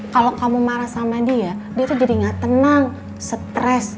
kalau kamu marah sama dia dia tuh jadi gak tenang stres